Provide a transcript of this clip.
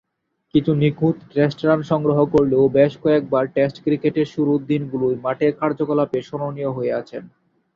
কিছু নিখুঁত test run সংগ্রহ করলেও বেশ কয়েকবার টেস্ট ক্রিকেটের শুরুর দিনগুলোয় মাঠের কার্যকলাপে স্মরণীয় হয়ে আছেন।